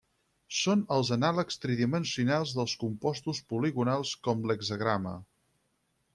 Són els anàlegs tridimensionals dels compostos poligonals com l'hexagrama.